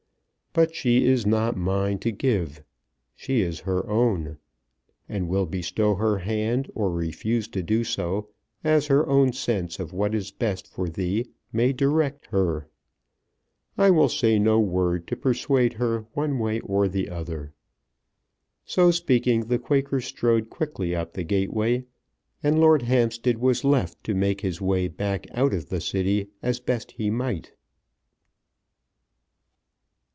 But she is not mine to give. She is her own, and will bestow her hand or refuse to do so as her own sense of what is best for thee may direct her. I will say no word to persuade her one way or the other." So speaking the Quaker strode quickly up the gateway, and Lord Hampstead was left to make his way back out of the City as best he might.